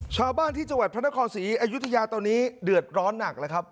ชาวบ้านที่จังหวัดพระนครศรีอยุธยาตอนนี้เดือดร้อนหนักแล้วครับ